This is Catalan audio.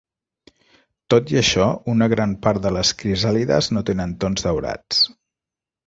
Tot i això, una gran part de les crisàlides no tenen tons daurats.